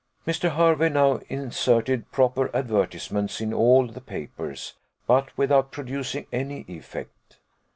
Mr. Hervey now inserted proper advertisements in all the papers, but without producing any effect.